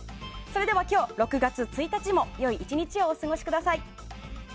それでは今日６月１日もよい１日をお過ごしください。